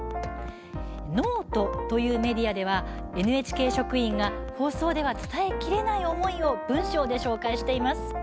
ｎｏｔｅというメディアではＮＨＫ職員が放送では伝えきれない思いを文章で紹介しています。